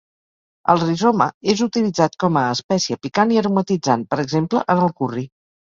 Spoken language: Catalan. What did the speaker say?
El rizoma és utilitzat com a espècia picant i aromatitzant, per exemple en el curri.